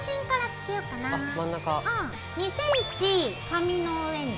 ２ｃｍ紙の上に。